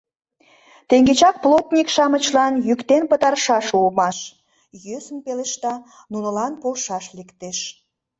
— Теҥгечак плотньык-шамычлан йӱктен пытарышаш улмаш, — йӧсын пелешта, нунылан полшаш лектеш...